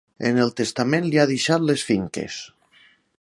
En el testament li ha deixat les finques.